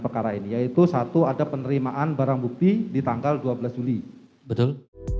perkara ini yaitu satu ada penerimaan barang bukti di tanggal dua belas juli betul